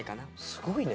すごいね。